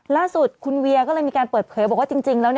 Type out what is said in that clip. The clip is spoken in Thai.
ล่าสุดคุณเวียก็เลยมีการเปิดเผยบอกว่าจริงแล้ว